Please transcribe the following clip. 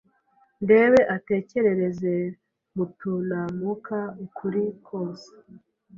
Ndebe atekerereza Mutunamuka ukuri kose